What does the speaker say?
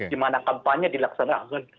di mana kampanye dilaksanakan